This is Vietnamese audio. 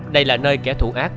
đây là nơi kẻ thủ ác